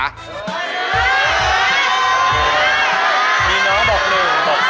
อีน้องบอก๑บอก๓